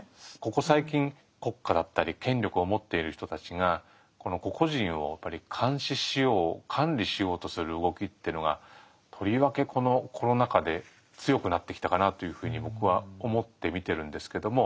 ここ最近国家だったり権力を持っている人たちが個々人をやっぱり監視しよう管理しようとする動きっていうのがとりわけこのコロナ禍で強くなってきたかなというふうに僕は思って見てるんですけども。